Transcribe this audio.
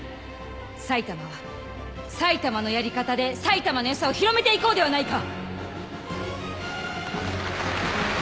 埼玉は埼玉のやり方で埼玉の良さを広めていこうではないか！